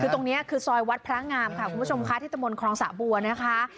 คือตรงนี้คือซอยวัดพระงามค่ะคุณผู้ชมค่ะที่ตะมนตรองสะบัวนะคะ